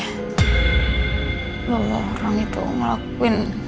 kalau orang itu ngelakuin